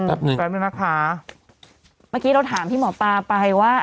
ไปด้วยนะคะเมื่อกี้เราถามพี่หมอปลาไปว่า